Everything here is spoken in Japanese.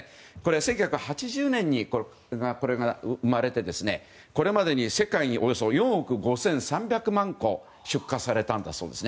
１９８０年に、これが生まれてこれまでに世界におよそ４億５３００万個出荷されたんだそうです。